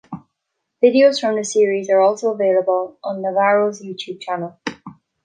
Videos from the series are also available on Navarro's YouTube channel.